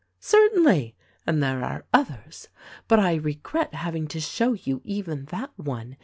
"Certainly ! And there are others ; but I regret having to show you even that one.